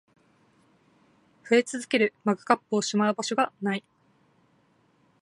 増え続けるマグカップをしまう場所が無い